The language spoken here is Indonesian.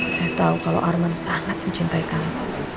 saya tahu kalau arman sangat mencintai kamu